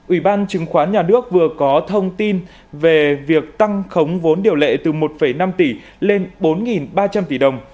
ủy ban chứng khoán nhà nước vừa có thông tin về việc tăng khống vốn điều lệ từ một năm tỷ lên bốn ba trăm linh tỷ đồng